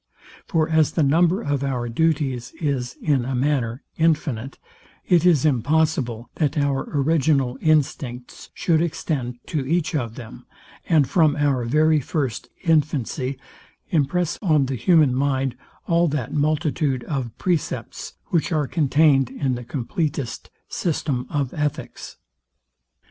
For as the number of our duties is, in a manner, infinite, it is impossible that our original instincts should extend to each of them, and from our very first infancy impress on the human mind all that multitude of precepts, which are contained in the compleatest system of ethics.